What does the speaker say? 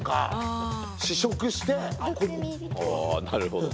おなるほどね。